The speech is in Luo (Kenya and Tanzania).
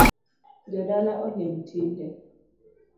Jodala oling’ tinde